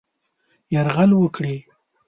یرغل وکړي.